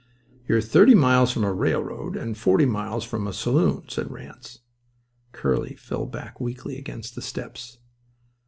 "You're thirty miles from a railroad, and forty miles from a saloon," said Ranse. Curly fell back weakly against the steps.